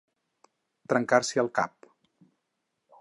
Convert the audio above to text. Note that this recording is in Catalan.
Trencar-s'hi el cap.